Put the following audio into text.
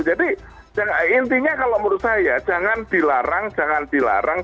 jadi intinya kalau menurut saya jangan dilarang